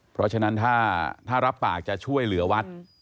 เพราะฉะนั้นถ้ารับปากจะช่วยเหลือวัด